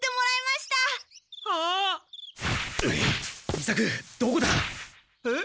伊作どこだ？えっ？